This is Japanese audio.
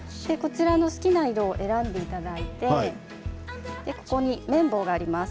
好きな色を選んでいただいて綿棒があります。